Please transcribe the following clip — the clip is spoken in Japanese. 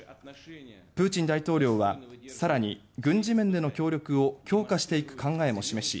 プーチン大統領はさらに軍事面での協力を強化していく考えも示し